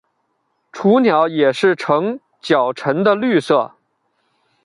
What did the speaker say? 雏鸟也是呈较沉的绿色。